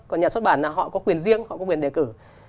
còn nhà xuất bản là họ có quyền riêng họ có quyền đề cử